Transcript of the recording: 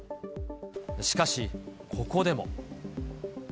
しかしここでも。